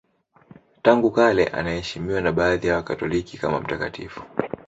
Tangu kale anaheshimiwa na baadhi ya Wakatoliki kama mtakatifu.